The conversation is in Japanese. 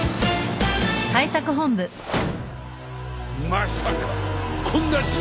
まさかこんな事態に。